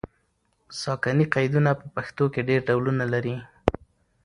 ساکني قیدونه په پښتو کې ډېر ډولونه لري.